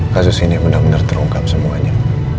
kasus ini benar benar terungkap semuanya